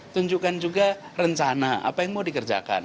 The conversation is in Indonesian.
tunjukkan juga rencana apa yang mau dikerjakan